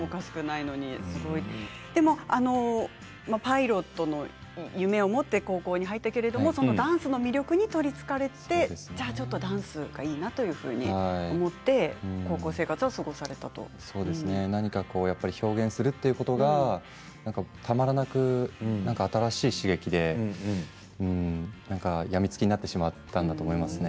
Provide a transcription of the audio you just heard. でもパイロットの夢を持って高校に入ったけどダンスの魅力に取りつかれてちょっとダンスがいいなというふうに思って何かを表現するということがたまらなく新しい刺激で病みつきになってしまったんだと思いますね。